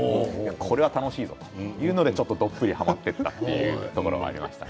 これは楽しいぞということでどっぷりはまっていったというところがあります。